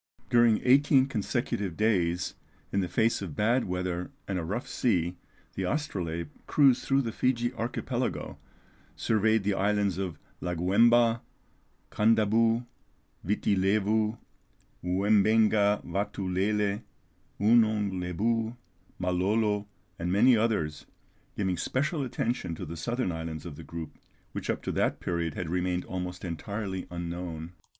During eighteen consecutive days, in the face of bad weather and a rough sea, the Astrolabe cruised through the Fiji Archipelago, surveyed the islands of Laguemba, Kandabou, Viti Levou, Oumbenga Vatou Lele, Ounong Lebou, Malolo, and many others, giving special attention to the southern islands of the group, which up to that period had remained almost entirely unknown.